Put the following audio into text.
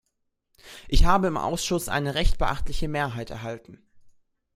Ich habe im Ausschuss eine recht beachtliche Mehrheit erhalten.